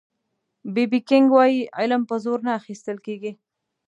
بي بي کېنګ وایي علم په زور نه اخيستل کېږي